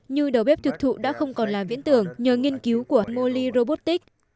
như đầu bếp thực thụ đã không còn là viễn tưởng nhờ nghiên cứu của moli robotics